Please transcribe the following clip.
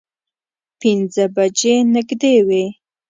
پینځه بجې نږدې وې.